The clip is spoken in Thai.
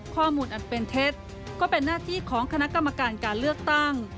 ข้อมูลอันเป็นเท็จก็เป็นหน้าที่ของคณะกรรมการการเลือกตั้ง